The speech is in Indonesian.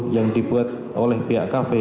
yang dibuat oleh pihak kafe